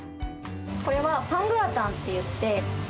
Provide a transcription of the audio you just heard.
これはパングラタンっていって。